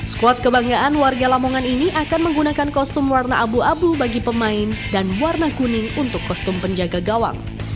squad kebanggaan warga lamongan ini akan menggunakan kostum warna abu abu bagi pemain dan warna kuning untuk kostum penjaga gawang